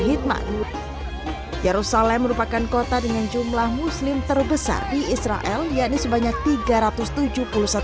hikmat yerusalem merupakan kota dengan jumlah muslim terbesar di israel yakni sebanyak tiga ratus tujuh puluh satu